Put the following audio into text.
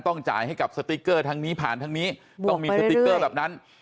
ต้องจ่ายให้กับสติ๊กเกอร์ทางนี้ผ่านทางนี้บวกไปเรื่อยเรื่อยต้องมีสติ๊กเกอร์แบบนั้น